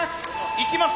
いきます！